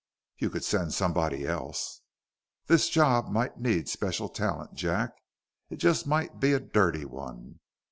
"You could send somebody else." "This job might need special talent, Jack. It just might be a dirty one."